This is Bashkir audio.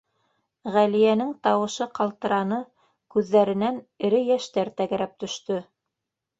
Ғәлиәнең тауышы ҡалтыраны, күҙҙәренән эре йәштәр тәгәрәп төштө.